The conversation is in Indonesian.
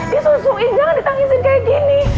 disusuin jangan ditangisin kayak gini